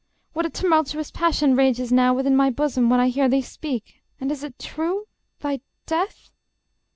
What a tumultuous passion rages now Within my bosom, when I hear thee speak!... And is it true?... Thy death...